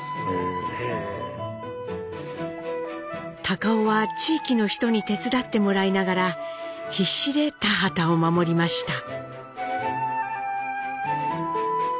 たかをは地域の人に手伝ってもらいながら必死で田畑を守りました。